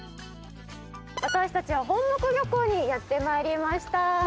私たちは本牧漁港にやって参りました！